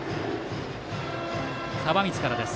川満からです。